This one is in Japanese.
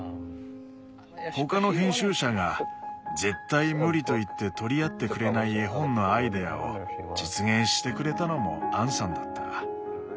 他の編集者が「絶対無理」と言って取り合ってくれない絵本のアイデアを実現してくれたのもアンさんだった。